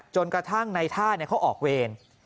จนกระทั่งในท่าเขาออกเวร